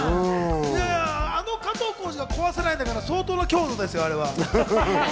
あの加藤浩次が壊せないんだから、相当な強度ですよ。